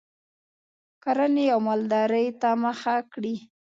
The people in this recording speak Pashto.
کرنې او مالدارۍ ته مخه کړي